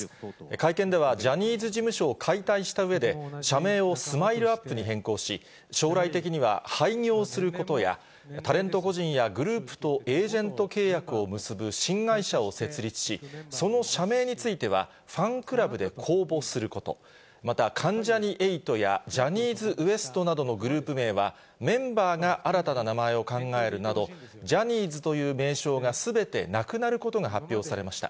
会見では、ジャニーズ事務所を解体したうえで、社名をスマイルアップに変更し、将来的には廃業することや、タレント個人やグループとエージェント契約を結ぶ新会社を設立し、その社名については、ファンクラブで公募すること、また関ジャニ∞やジャニーズＷＥＳＴなどのグループ名は、メンバーが新たな名前を考えるなど、ジャニーズという名称がすべてなくなることが発表されました。